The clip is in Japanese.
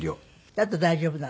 だと大丈夫なの？